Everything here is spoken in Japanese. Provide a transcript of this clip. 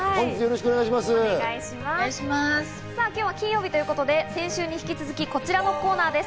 今日は金曜日ということでこちらのコーナーです。